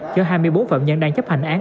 cho hai mươi bốn phạm nhân đang chấp hành án